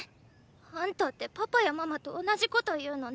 ⁉あんたってパパやママと同じこと言うのね。